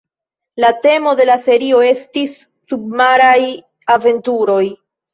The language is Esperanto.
La temo de la serio estis submaraj aventuroj.